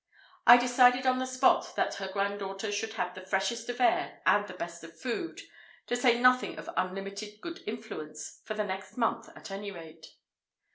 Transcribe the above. I decided on the spot that her granddaughter should have the freshest of air and the best of food (to say nothing of unlimited good influence) for the next month, at any rate.